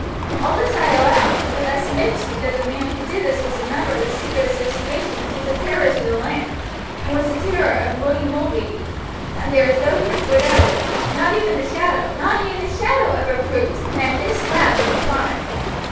All this I allow; but I submit to you that the man who did this was a member of the secret association which is a terror to the land, and was the terror of William Mulready, and there is no proof whatever, not even the shadow not even the shadow of a proof, to connect this lad with the crime.